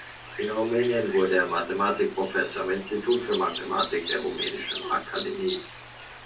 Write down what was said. In Rumänien wurde er Mathematikprofessor am Institut für Mathematik der Rumänischen Akademie.